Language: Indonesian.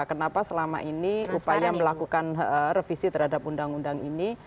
kenapa selama ini upaya melakukan revisi terhadap undang undang ini